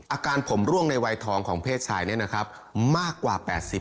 อาการผมร่วงในวัยทองของเพศชายเนี่ยนะครับมากกว่า๘๐